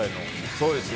そうですね。